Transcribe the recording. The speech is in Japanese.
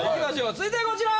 続いてはこちら！